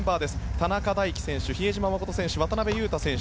田中大貴選手、比江島慎選手渡邊雄太選手